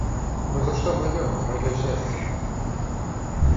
Но за что мое, твое счастие?..